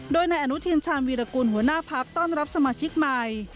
โดยนายอนุทินชาญวีรกุลหัวหน้าพักต้อนรับสมาชิกใหม่